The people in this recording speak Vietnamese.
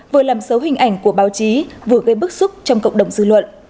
vừa làm xấu hình ảnh của báo chí vừa gây bức xúc trong cộng đồng dư luận